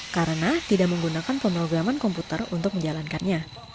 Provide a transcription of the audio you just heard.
karena tidak menggunakan pemrograman komputer untuk menjalankannya